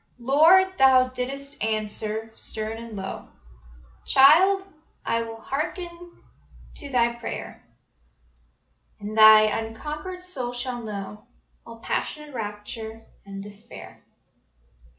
Lord, Thou didst answer stern and low: "Child, I will hearken to thy prayer, And thy unconquered soul shall know All passionate rapture and despair.